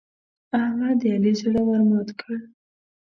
احمد د علي زړه ور مات کړ.